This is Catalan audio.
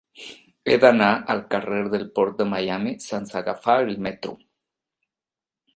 He d'anar al carrer del Port de Miami sense agafar el metro.